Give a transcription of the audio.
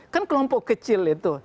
kan kelompok kecil itu